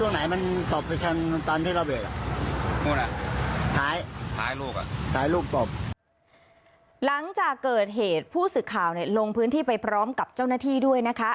หลังจากเกิดเหตุผู้สื่อข่าวลงพื้นที่ไปพร้อมกับเจ้าหน้าที่ด้วยนะคะ